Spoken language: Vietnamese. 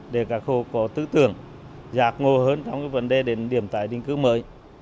để các hồ có tư tưởng giạc ngộ hơn trong vấn đề đến điểm tải định cứu mới